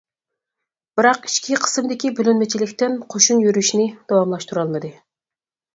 بىراق ئىچكى قىسىمدىكى بۆلۈنمىچىلىكتىن قوشۇن يۈرۈشنى داۋاملاشتۇرالمىدى.